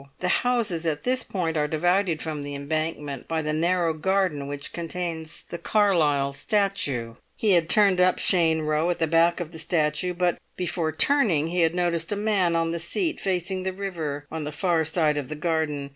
The houses at this point are divided from the Embankment by the narrow garden which contains the Carlyle statue. He had turned up Cheyne Row, at the back of the statue, but before turning he had noticed a man on the seat facing the river on the far side of the garden.